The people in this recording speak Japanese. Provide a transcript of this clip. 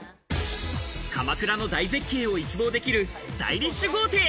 鎌倉の大絶景を一望できるスタイリッシュ豪邸。